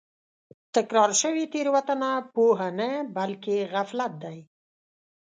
تکرار شوې تېروتنه پوهه نه بلکې غفلت دی.